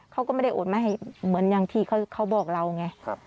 เขาก็ไม่ได้โอนมาให้เหมือนอย่างที่เขาบอกเราไง